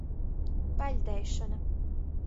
Paļdeišona.